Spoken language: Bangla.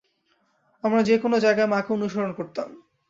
আমরা যে কোন জায়গায় মা কে অনুসরণ করতাম।